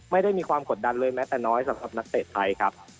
ไม่ได้มีความกดดันเลยแม้แต่น้อยสำหรับนักเตะไทยครับ